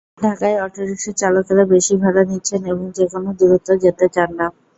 ঢাকায় অটোরিকশার চালকেরা বেশি ভাড়া নিচ্ছেন এবং যেকোনো দূরত্বে যেতে চান না।